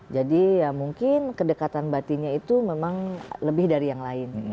jadi ya mungkin kedekatan batinnya itu memang lebih dari yang lain